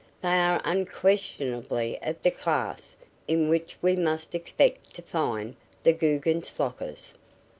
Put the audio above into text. "They are unquestionably of the class in which we must expect to find the Guggenslockers."